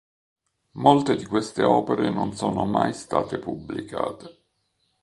Molte di queste opere non sono mai state pubblicate.